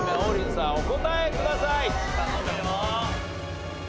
お答えください。